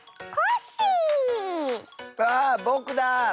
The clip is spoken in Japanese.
わぼくだ！